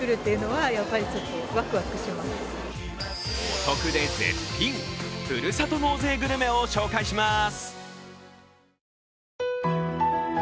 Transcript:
お得で絶品、ふるさと納税グルメを紹介します。